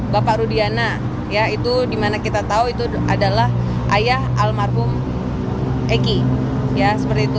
bapak rudiana itu dimana kita tahu itu adalah ayah almarhum eki